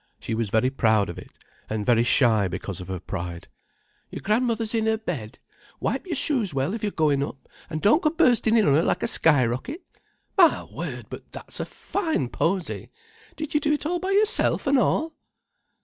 She was very proud of it, and very shy because of her pride. "Your gran'mother's in her bed. Wipe your shoes well if you're goin' up, and don't go burstin' in on her like a skyrocket. My word, but that's a fine posy! Did you do it all by yourself, an' all?"